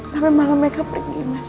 tapi malam mereka pergi mas